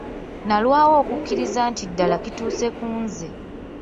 Nalwawo okukikkiriza nti ddala kituuse ku nze.